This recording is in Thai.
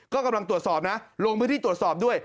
ก็กำลังตรวจสอบนะลงพื้นที่ตรวจสอบด้วย